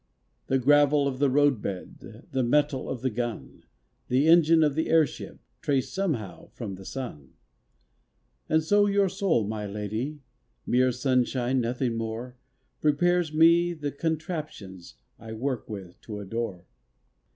The gravel of the roadbed, The metal of the gun, The engine of the airship Trace somehow from the sun. And so your soul, my lady (Mere sunshine, nothing more) Prepares me the contraptions I work with or adore.